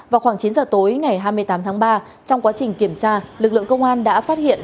vào khoảng chín giờ tối ngày hai mươi tám tháng ba trong quá trình kiểm tra lực lượng công an đã phát hiện